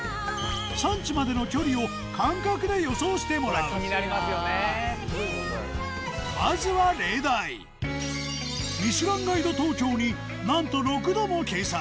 産地までの距離を感覚で予想してもらうまずはミシュランガイド東京になんと６度も掲載！